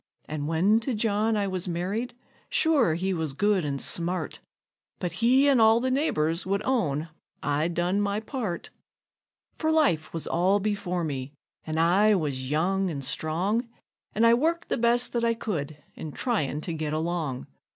And when to John I was married, sure he was good and smart, But he and all the neighbors would own I done my part; For life was all before me, an' I was young an' strong, And I worked the best that I could in tryin' to get along.